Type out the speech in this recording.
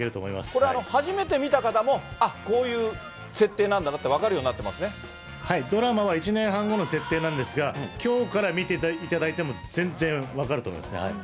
これ、初めて見た方も、あっ、こういう設定なんだなって分かるはい、ドラマは１年半後の設定なんですが、きょうから見ていただいても、全然分かると思いますね。